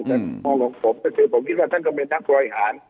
แต่มองของผมก็คือผมคิดว่าท่านก็เป็นนักบริหาร